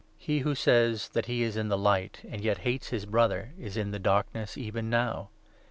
He who says that he is in the Light, and yet hates his 9 Brother, is in the Darkness even now.